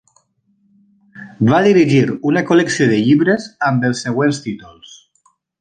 Va dirigir una col·lecció de llibres amb els següents títols: